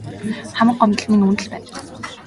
Хамаг гомдол минь үүнд л байна.